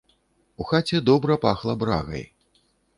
У хаце добра пахла брагай.